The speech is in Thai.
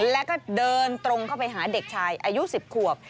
แล้วก็เดินตรงเข้าไปหาเด็กชายอายุ๑๐ขวบ